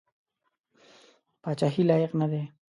پاچهي لایق نه دی.